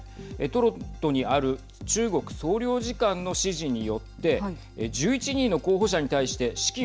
トロントにある中国総領事館の指示によって１１人の候補者に対して資金